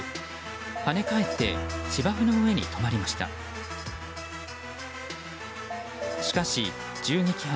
跳ね返って芝生の上に止まりました。